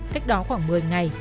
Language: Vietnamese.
cách đó khoảng một mươi ngày